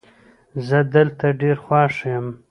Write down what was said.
زه دلته ډېر خوښ یم